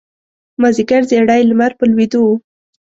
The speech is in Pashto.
مازیګر زیړی لمر په لویېدو و.